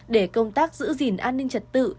để công tác giữ gìn an ninh trật tự